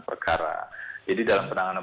perkara jadi dalam penanganan